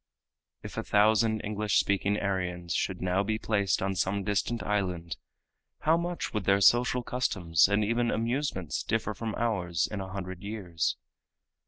If a thousand English speaking Aryans should now be placed on some distant island, how much would their social customs and even amusements differ from ours in a hundred years?